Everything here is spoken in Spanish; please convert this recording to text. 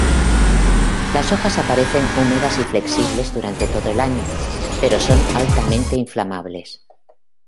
Las hojas aparecen húmedas y flexibles durante todo el año, pero son altamente inflamables.